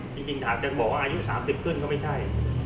จริงแต่อายุ๓๐ขึ้นก็ไม่ใช่